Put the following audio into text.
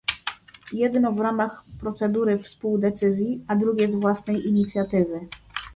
jedno w ramach procedury współdecyzji a drugie z własnej inicjatywy